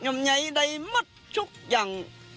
ไยไม้ได้ทุกอย่าง